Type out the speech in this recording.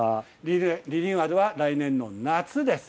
リニューアルは来年の夏です。